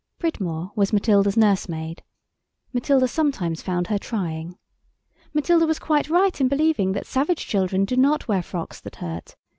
Pridmore was Matilda's nursemaid. Matilda sometimes found her trying. Matilda was quite right in believing that savage children do not wear frocks that hurt.